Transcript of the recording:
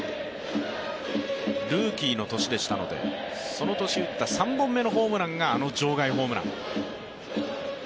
ルーキーの年でしたのでその年打った３本目が、あの場外のホームラン。